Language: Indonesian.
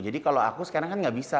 jadi kalau aku sekarang kan gak bisa